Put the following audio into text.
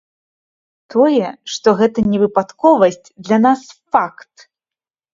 Тое, што гэта не выпадковасць для нас факт!